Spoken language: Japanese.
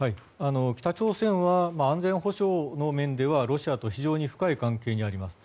北朝鮮は安全保障の面ではロシアと非常に深い関係にあります。